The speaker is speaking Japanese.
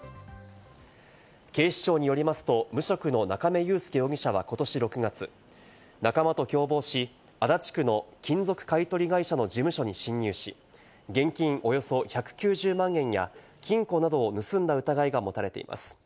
警視庁によりますと、無職の中明裕介容疑者はことし６月、仲間と共謀し、足立区の金属買取会社の事務所に侵入し、現金およそ１９０万円や金庫などを盗んだ疑いが持たれています。